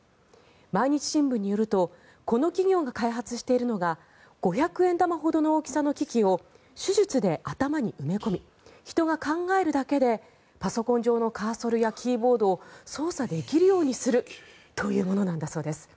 毎日新聞によるとこの企業が開発しているのが５００円玉ほどの大きさの機器を手術で頭に埋め込み人が考えるだけでパソコン上のカーソルやキーボードを操作できるようにするというものなんだそうです。